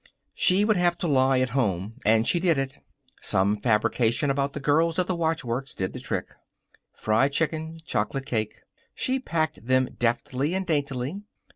She would have to lie at home and she did it. Some fabrication about the girls at the watchworks did the trick. Fried chicken, chocolate cake. She packed them deftly and daintily.